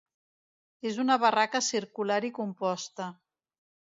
És una barraca circular i composta.